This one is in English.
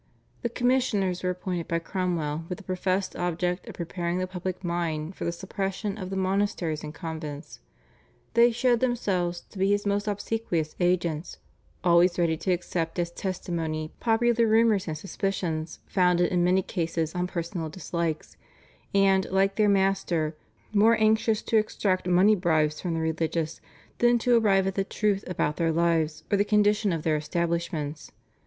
The commissioners were appointed by Cromwell with the professed object of preparing the public mind for the suppression of the monasteries and convents. They showed themselves to be his most obsequious agents, always ready to accept as testimony popular rumours and suspicions founded in many cases on personal dislikes, and, like their master, more anxious to extract money bribes from the religious than to arrive at the truth about their lives or the condition of their establishments.